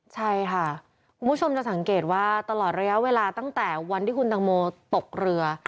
ใช่ค่ะคุณผู้ชมจะสังเกตว่าตลอดระยะเวลาตั้งแต่วันที่คุณตังโมตกเรือ